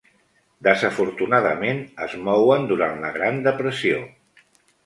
Desafortunadament, es mouen durant la Gran Depressió.